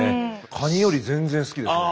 カニより全然好きですね。